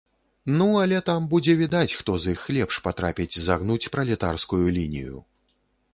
Ну, але там будзе відаць, хто з іх лепш патрапіць загнуць пралетарскую лінію!